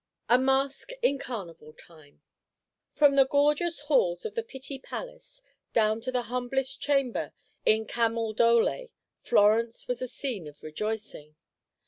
A MASK IN CARNIVAL TIME From the gorgeous halls of the Pitti Palace down to the humblest chamber in Camaldole, Florence was a scene of rejoicing.